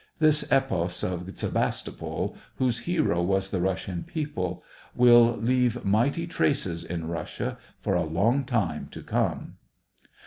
This epos of Sevastopol, whose hero was the Russian people, will leave mighty traces in Russia for a long time to come.